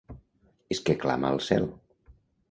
És que clama al cel.